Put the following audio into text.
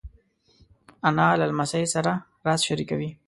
انا له لمسۍ سره راز شریکوي